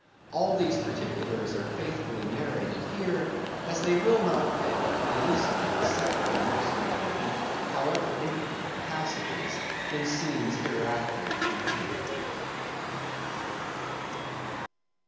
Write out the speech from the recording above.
All these particulars are faithfully narrated here, as they will not fail to elucidate several most important, however intricate passages, in scenes hereafter to be painted.